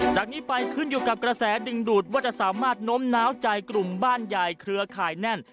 จากนี้ไปขึ้นอยู่กับกระแสดึงดูดว่าจะสามารถน้มน้าวใจกลุ่มบ้านใหญ่เครือข่ายแน่น